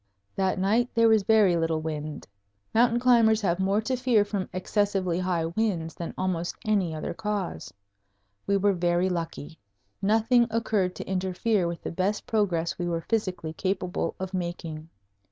That night there was very little wind. Mountain climbers have more to fear from excessively high winds than almost any other cause. We were very lucky. Nothing occurred to interfere with the best progress we were physically capable of making.